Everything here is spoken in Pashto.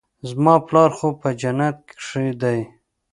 زما پلار خو په جنت کښې دى.